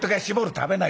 「食べない。